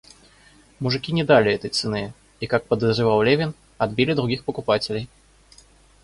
Мужики не дали этой цены и, как подозревал Левин, отбили других покупателей.